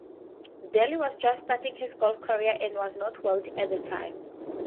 Daly was just starting his golf career and was not wealthy at the time.